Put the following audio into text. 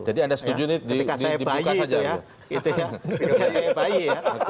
jadi anda setuju ini dibuka saja